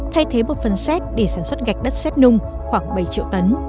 thay thế một phần xét để sản xuất gạch đất xét nung khoảng bảy triệu tấn